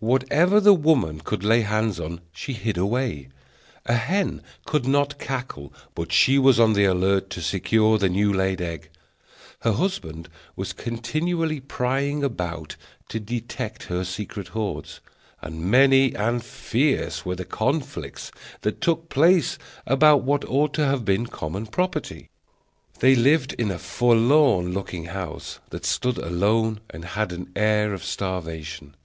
Whatever the woman could lay hands on she hid away; a hen could not cackle but she was on the alert to secure the new laid egg. Her husband was continually prying about to detect her secret hoards, and many and fierce were the conflicts that took place about what ought to have been common property. They lived in a forlorn looking house that stood alone and had an air of starvation.